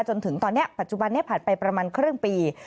จนถึงตอนนี้ปัจจุบันนี้ผ่านไปประมาณครึ่งปี